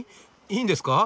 いいんですか？